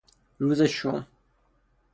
روز شوم